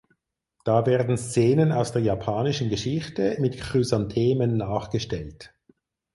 Da werden Szenen aus der japanischen Geschichte mit Chrysanthemen nachgestellt.